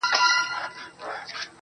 راسه د يو بل اوښکي وچي کړو نور.